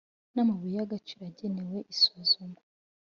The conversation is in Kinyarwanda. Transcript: n amabuye y agaciro agenewe isuzuma